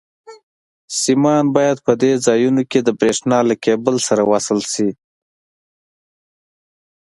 سیمان باید په دې ځایونو کې د برېښنا له کېبل سره وصل شي.